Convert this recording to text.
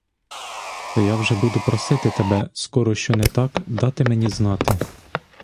То я вже буду просити тебе, скоро що не так, дати мені знати.